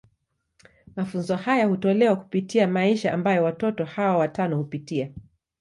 Mafunzo haya hutolewa kupitia maisha ambayo watoto hawa watano hupitia.